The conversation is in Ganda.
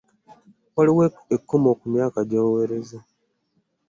Waliwo ekkomo ku myaka gy'oweereza.